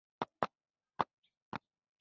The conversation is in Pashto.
ګلیپتودونانو شاوخوا دوه ټنه وزن درلود.